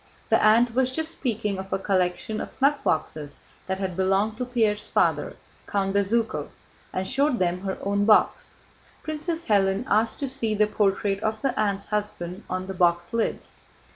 The aunt was just speaking of a collection of snuffboxes that had belonged to Pierre's father, Count Bezúkhov, and showed them her own box. Princess Hélène asked to see the portrait of the aunt's husband on the box lid.